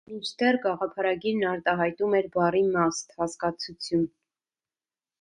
Մինչդեռ գաղափարագիրն արտահայտում էր բառի մաստ (հասկացություն)։